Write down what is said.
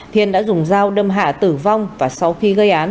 thiên đã dùng dao đâm hạ tử vong và sau khi gây án